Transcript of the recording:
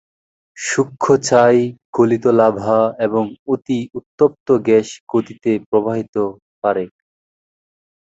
সূক্ষ্ম ছাই, গলিত লাভা এবং অতি উত্তপ্ত গ্যাস গতিতে প্রবাহিত পারে।